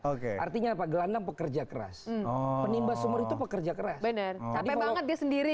oke artinya selana bekerja keras menimpa semua bintik pekerja caridad demande sendiri